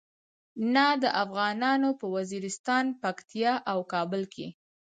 نه د افغانانو په وزیرستان، پکتیا او کابل کې.